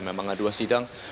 memang ada dua sidang